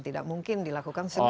tidak mungkin dilakukan segera